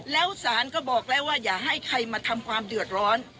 แล้วสารก็บอกแล้วว่าอย่าให้ใครมาทำความเดือดร้อน